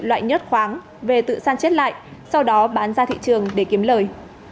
loại nhớt khoáng về tự san chết lại sau đó bán ra thị trường để kiếm lời